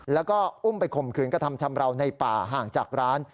แล้วก็อุ้มไปข่มขืนกระทำชำราวในป่าห่างจากร้าน